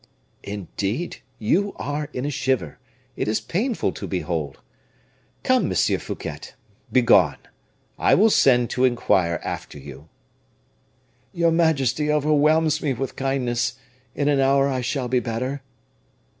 "Indeed, you are in a shiver; it is painful to behold! Come, Monsieur Fouquet, begone! I will send to inquire after you." "Your majesty overwhelms me with kindness. In an hour I shall be better."